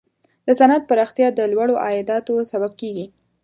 د صنعت پراختیا د لوړو عایداتو سبب کیږي.